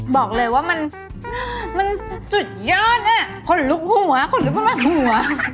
บอกเลยว่ามันสุดยอดอะคนลุกฮัวคนลุกมันแหล่งหัว